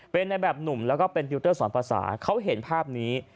เป็นในแบบหนุ่มแล้วก็เป็นดิวเตอร์สอนภาษาเขาเห็นภาพนี้